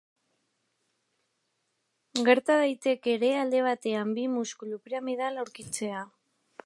Gerta daiteke ere alde batean bi muskulu piramidal aurkitzea.